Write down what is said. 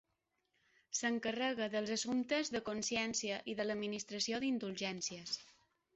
S'encarrega dels assumptes de consciència i de l'administració d'indulgències.